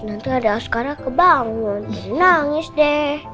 nanti ada sekarang kebangun nangis deh